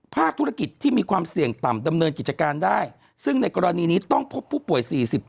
ภาคธุรกิจที่มีความเสี่ยงต่ำดำเนินกิจการได้ซึ่งในกรณีนี้ต้องพบผู้ป่วย๔๗